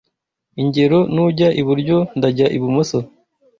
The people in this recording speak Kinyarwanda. Ingero Nujya iburyo ndajya ibumoso